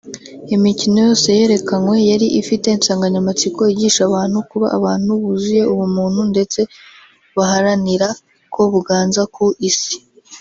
Imikino yose yerekanywe yari ifite insanganyamatsiko yigisha abantu kuba ‘abantu buzuye ubumuntu’ ndetse baharanira ko buganza ku Isi